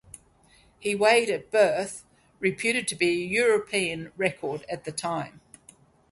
He weighed at birth, reputed to be a European record at the time.